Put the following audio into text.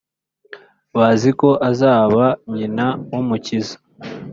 baziko uzaba nyina w’umukiza